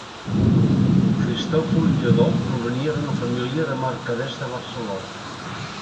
Cristòfol Lledó provenia d'una família de mercaders de Barcelona.